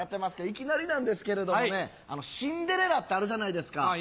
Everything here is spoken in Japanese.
いきなりなんですけれどもね『シンデレラ』ってあるじゃないですか。